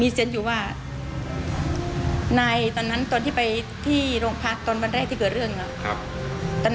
สนุนโดยสายการบินไทยนครปวดท้องท้องเสียขับลมแน่นท้อง